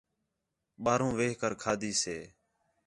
ٻاہروں وِہ کر کھادی سے